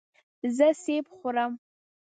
زه سیب خورم.